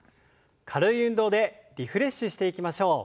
軽い運動でリフレッシュしていきましょう。